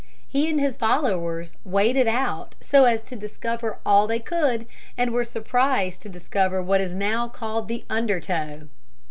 He and his followers waded out so as to discover all they could, and were surprised to discover what is now called the undertow.